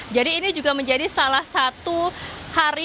jadi ini juga menjadi salah satu hari